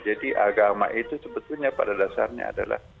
jadi agama itu sebetulnya pada dasarnya adalah